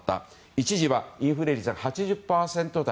一時はインフレ率は８０％台。